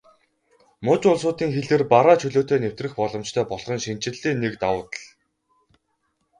Муж улсуудын хилээр бараа чөлөөтэй нэвтрэх боломжтой болох нь шинэчлэлийн нэг давуу тал.